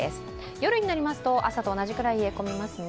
夜になりますと朝と同じくらい冷えますね